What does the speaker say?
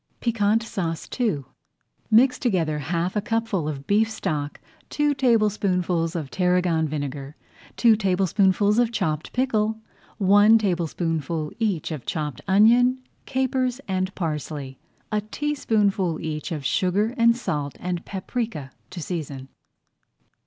PIQUANT SAUCE II Mix together half a cupful of beef stock, two tablespoonfuls of tarragon vinegar, two tablespoonfuls of chopped pickle, one tablespoonful each of chopped onion, capers, and parsley, a teaspoonful each of sugar and salt, and paprika to season.